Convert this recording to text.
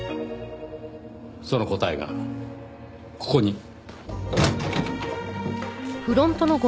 その答えがここに。